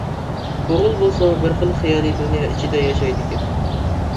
ئوغۇل بولسا بىر خىل خىيالى دۇنيا ئىچىدە ياشايدىكەن.